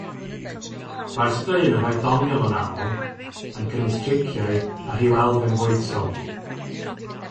Mae'r straeon yn rhai doniol yn aml, yn cynnwys triciau, a rhyw elfen foesol.